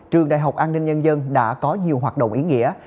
trường đại học an ninh nhân dân đã có nhiều hoạt động ý nghĩa